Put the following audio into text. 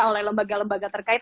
oleh lembaga lembaga terkait